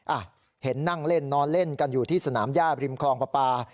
อ่ะเห็นนั่งเล่นนอนเล่นกันอยู่ที่สนามย่าบริมคลองประปา